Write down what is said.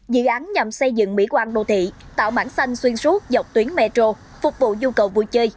dự án nhằm xây dựng mỹ quan đô thị tạo mảng xanh xuyên suốt dọc tuyến metro phục vụ nhu cầu vui chơi